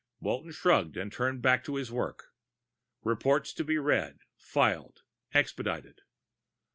Walton shrugged and turned back to his work. Reports had to be read, filed, expedited.